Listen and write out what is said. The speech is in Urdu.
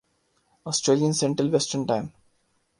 Australian central western time